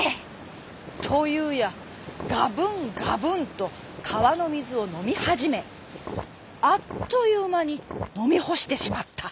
というやがぶんがぶんとかわのみずをのみはじめあっというまにのみほしてしまった。